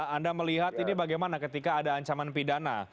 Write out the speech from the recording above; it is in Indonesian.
anda melihat ini bagaimana ketika ada ancaman pidana